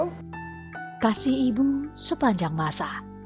tapi saya harus kasi ibu sepanjang masa